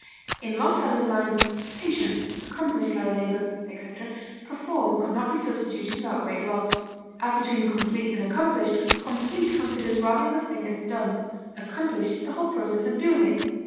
In Longfellow's lines, "Patience; accomplish thy labor," etc., perform could not be substituted without great loss. As between complete and accomplish, complete considers rather the thing as done; accomplish, the whole process of doing it.